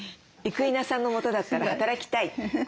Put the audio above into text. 生稲さんのもとだったら働きたい。